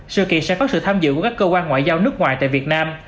sự kiện sẽ có sự tham dự của các cơ quan ngoại giao nước ngoài tại việt nam